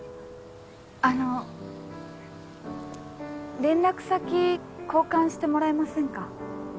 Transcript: あの連絡先交換してもらえませんか？